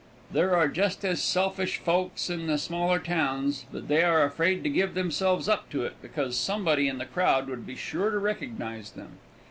There are just as selfish folks in the smaller towns, but they are afraid to give themselves up to it, because somebody in the crowd would be sure to recognize them.